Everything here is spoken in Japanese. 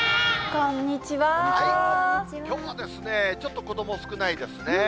きょうはですね、ちょっと子ども少ないですね。